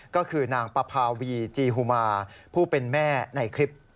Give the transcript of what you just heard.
ก็คือนางปภาวีจีฮุมาผู้เป็นแม่ในคลิป